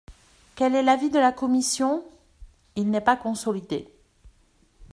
Quel est l’avis de la commission ? Il n’est pas consolidé.